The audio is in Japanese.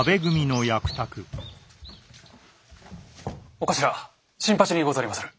長官新八にござりまする。